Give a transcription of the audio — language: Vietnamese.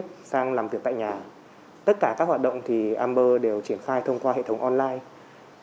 tất cả các hoạt động thì amber đều triển khai thông qua hệ thống online